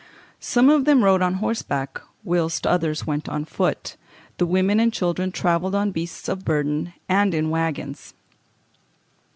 Some of them rode on horseback, whilst others went on foot. The women and children travelled on beasts of burden and in waggons (Fig.